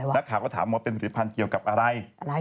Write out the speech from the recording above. นักข่าวก็ถามว่าเป็นผลิตภัณฑ์เกี่ยวกับอะไร